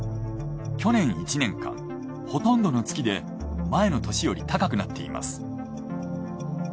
去年１年間ほとんどの月で前の年より高くなっています。